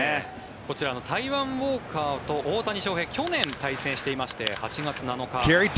こちらタイワン・ウォーカーと大谷翔平は去年、対戦していて８月７日。